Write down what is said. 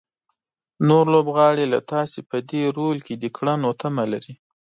نور لوبغاړي له تاسو په دې رول کې د کړنو تمه لري.